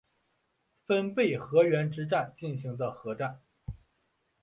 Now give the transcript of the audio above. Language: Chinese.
分倍河原之战进行的合战。